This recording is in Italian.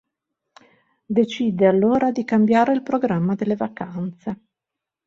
Decide allora di cambiare il programma delle vacanze.